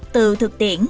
từ thực tiễn